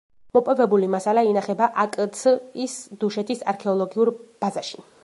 მოპოვებული მასალა ინახება აკც-ის დუშეთის არქეოლოგიურ ბაზაში.